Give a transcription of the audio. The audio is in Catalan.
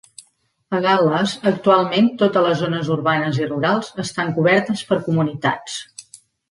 A Gal·les, actualment totes les zones urbanes i rurals estan cobertes per comunitats.